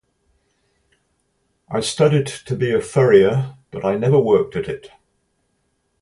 I studied to be a furrier, but I never worked at it.